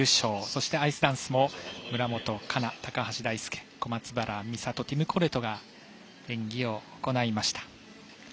そしてアイスダンスも村元哉中、高橋大輔小松原美里、ティム・コレトが演技を行いました。